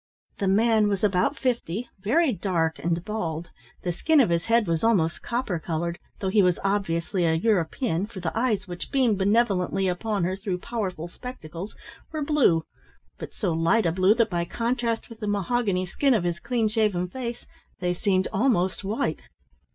The man was about fifty, very dark and bald the skin of his head was almost copper coloured, though he was obviously a European, for the eyes which beamed benevolently upon her through powerful spectacles were blue, but so light a blue that by contrast with the mahogany skin of his clean shaven face, they seemed almost white.